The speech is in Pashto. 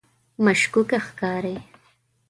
مشکوکه ښکاري.